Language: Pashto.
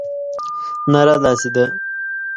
ناره داسې ده.